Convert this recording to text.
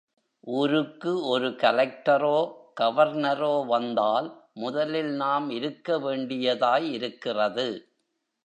ஊருக்கு ஒரு கலக்டரோ கவர்னரோ வந்தால் முதலில் நாம் இருக்கவேண்டியதாய் இருக்கிறது.